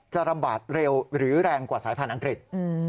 จะระบาดเร็วหรือแรงกว่าสายพันธุ์อังกฤษ